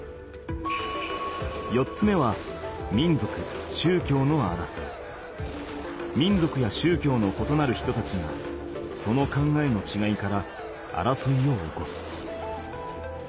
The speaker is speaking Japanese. ４つ目は民族や宗教のことなる人たちがその考えのちがいから争いを起こす。